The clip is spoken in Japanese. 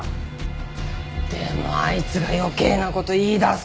でもあいつが余計な事言いだすから。